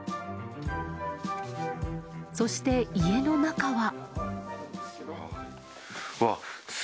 そして、家の中は。